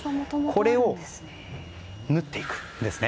これを縫っていくんですね。